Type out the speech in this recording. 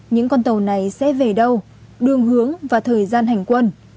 những con tàu này sẽ về đâu đường hướng và thời gian hành quân